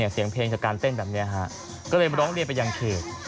เสียงเพลงจากการเต้นแบบนี้ฮะก็เลยมาร้องเรียนไปยังเขต